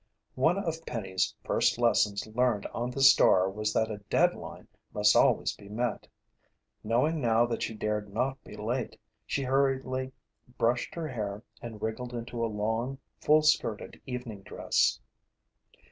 One of Penny's first lessons learned on the Star was that a deadline must always be met. Knowing now that she dared not be late, she hurriedly brushed her hair and wriggled into a long, full skirted evening dress.